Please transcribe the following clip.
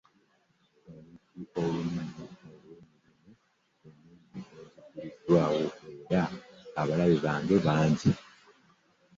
Oluggi olunene era olw'emirimu emingi lunziguliddwawo, era abalabe bangi.